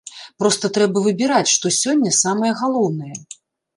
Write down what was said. Проста трэба выбіраць, што сёння самае галоўнае.